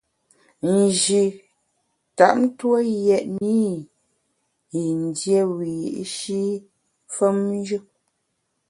Nji tap tue yètne i yin dié wiyi’shi femnjù.